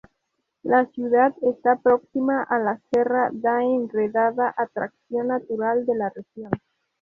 La ciudad está próxima a la Serra da Enredadera, atracción natural de la región.